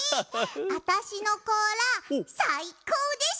あたしのこうらさいこうでしょう？